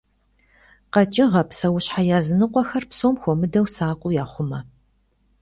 КъэкӀыгъэ, псэущхьэ языныкъуэхэр псом хуэмыдэу сакъыу яхъумэ.